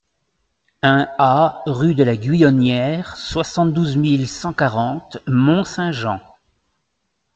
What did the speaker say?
un A rue de la Guyonnière, soixante-douze mille cent quarante Mont-Saint-Jean